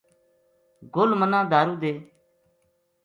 گل منا دارُو دے